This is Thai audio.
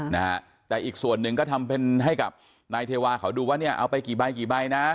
นะฮะแต่อีกส่วนหนึ่งก็ทำเป็นให้กับนายเทวาเขาดูว่าเนี่ยเอาไปกี่ใบกี่ใบนะ